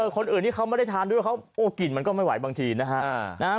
คนอื่นที่เขาไม่ได้ทานด้วยเขาโอ้กลิ่นมันก็ไม่ไหวบางทีนะฮะ